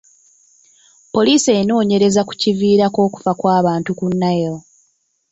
Poliisi enoonyereza kukiviirako okufa kw'abantu ku Nile.